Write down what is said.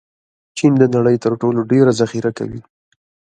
چین د نړۍ تر ټولو ډېر ذخیره کوي.